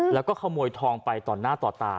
แล้วก็ขโมยทองไปต่อหน้าต่อตา